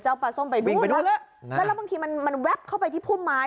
เอาปลาส้มไปดูนะแล้วบางทีมันแป๊บเข้าไปที่พุ่มไม้